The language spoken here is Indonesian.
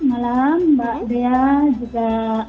malam mbak dea juga